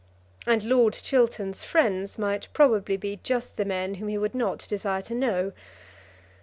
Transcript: And Lord Chiltern's friends might probably be just the men whom he would not desire to know.